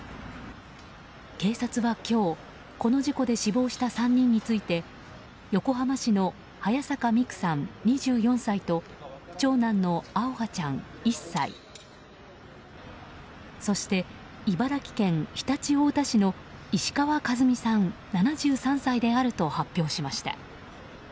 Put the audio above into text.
警察は今日この事故で死亡した３人について横浜市の早坂未空さん、２４歳と長男の青遥ちゃん、１歳そして茨城県常陸太田市の石川和美さん、７３歳であると発表しました。